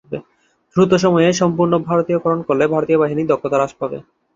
দ্রুত সময়ে সম্পূর্ণ ভারতীয়করণ করলে ভারতীয় বাহিনীর দক্ষতা হ্রাস পাবে।